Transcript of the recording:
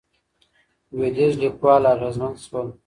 لوېدیځ لیکوال اغېزمن شول.